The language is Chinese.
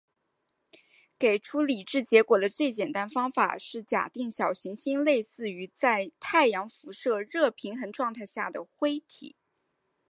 给出理智结果的最简单方法是假定小行星类似于在太阳辐射热平衡状态下的灰体。